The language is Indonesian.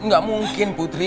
gak mungkin putri